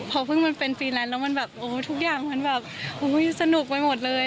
พอพึ่งก็เป็นฟรีแลนซ์แล้วทุกอย่าง่ำสนุกไปหมดเลย